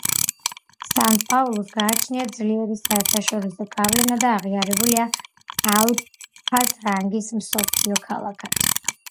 სან-პაულუს გააჩნია ძლიერი საერთაშორისო გავლენა და აღიარებულია ალფა რანგის მსოფლიო ქალაქად.